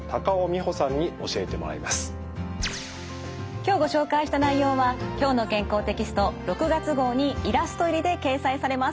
今日ご紹介した内容は「きょうの健康」テキスト６月号にイラスト入りで掲載されます。